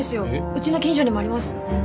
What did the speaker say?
うちの近所にもあります。